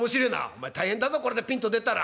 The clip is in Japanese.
「お前大変だぞこれでピンと出たら」。